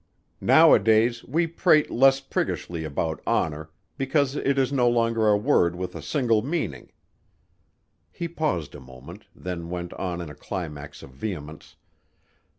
"Nowadays we prate less priggishly about honor because it is no longer a word with a single meaning." He paused a moment, then went on in a climax of vehemence.